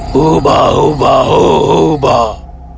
hubah hubah hubah